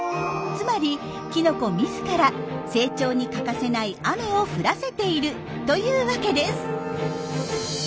つまりキノコ自ら成長に欠かせない雨を降らせているというわけです。